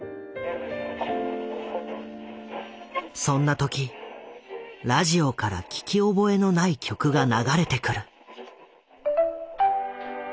そんな時ラジオから聞き覚えのない曲が流れてくる。